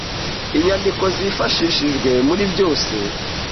Inyandiko zifashishijwe muri byose